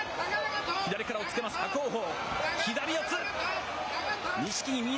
左からおっつけます、伯桜鵬。